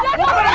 udah udah udah